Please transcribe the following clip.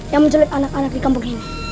yang menjelit anak anak di kampung ini